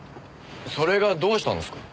それがどうしたんですか？